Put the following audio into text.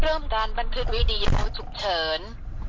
เริ่มด้านบันทึกควรดีอู้สุขเชิญ